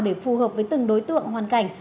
để phù hợp với từng đối tượng hoàn cảnh